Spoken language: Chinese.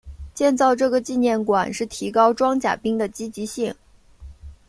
建造这个纪念馆是提高装甲兵的积极性。